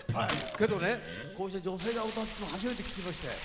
けどねこうして女性が歌ってるの初めて聴きまして。